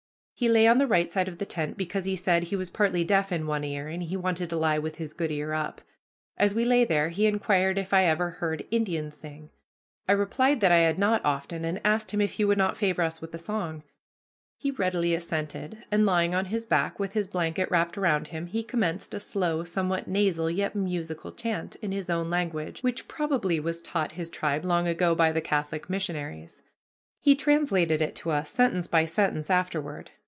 He lay on the right side of the tent, because, as he said, he was partly deaf in one ear, and he wanted to lie with his good ear up. As we lay there he inquired if I ever heard "Indian sing." I replied that I had not often, and asked him if he would not favor us with a song. He readily assented, and, lying on his back, with his blanket wrapped around him, he commenced a slow, somewhat nasal, yet musical chant, in his own language, which probably was taught his tribe long ago by the Catholic missionaries. He translated it to us, sentence by sentence, afterward.